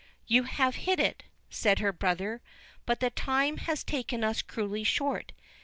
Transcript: "You have hit it," said her brother; "but the time has taken us cruelly short.